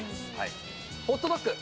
ホットドッグ。